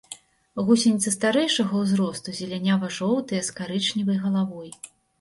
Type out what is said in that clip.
Гусеніцы старэйшага ўзросту зелянява-жоўтыя, з карычневай галавой.